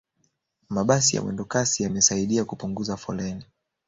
mabasi ya mwendokasi yamesaidia kupunguza foleni